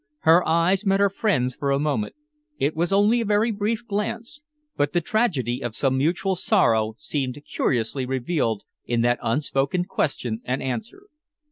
Her eyes met her friend's for a moment it was only a very brief glance, but the tragedy of some mutual sorrow seemed curiously revealed in that unspoken question and answer.